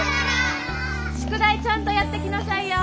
宿題ちゃんとやってきなさいよ。